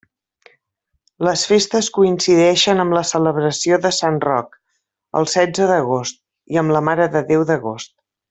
Les festes coincideixen amb la celebració de sant Roc, el setze d'agost, i amb la Mare de Déu d'Agost.